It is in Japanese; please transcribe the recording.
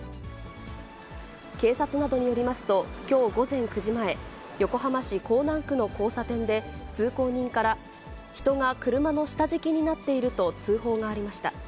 警察などによりますと、きょう午前９時前、横浜市港南区の交差点で、通行人から人が車の下敷きになっていると通報がありました。